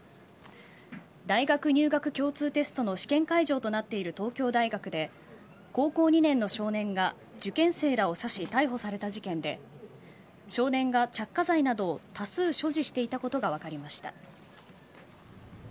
大学入学共通テストの試験会場となっている東京大学で高校２年の少年が受験生らを刺し逮捕された事件で少年が着火剤などを多数所持していたことが分かりました。